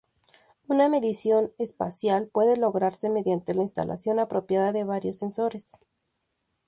Una medición espacial puede lograrse mediante la instalación apropiada de varios sensores.